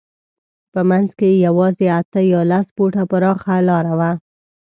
په منځ کې یې یوازې اته یا لس فوټه پراخه لاره وه.